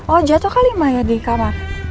oh jatuh kali maya di kamar